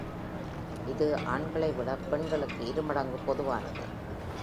இது ஆண்களை விட பெண்களுக்கு இரு மடங்கு பொதுவானது.